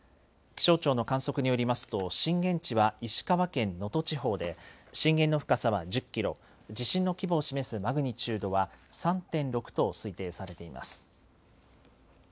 気象庁の観測によりますと震源地は石川県能登地方で震源の深さは１０キロ、地震の規模を示すマグニチュードは３．６と推定されています。